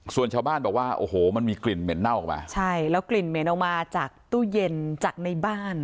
ส่วนชาวบ้านบอกว่าโอ้โหมันมีกลิ่นเหม็นเน่าออกมาใช่แล้วกลิ่นเหม็นออกมาจากตู้เย็นจากในบ้าน